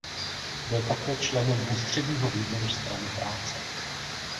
Byl také členem ústředního výboru Strany práce.